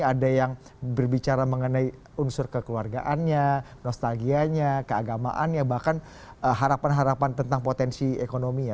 ada yang berbicara mengenai unsur kekeluargaannya nostalgianya keagamaannya bahkan harapan harapan tentang potensi ekonominya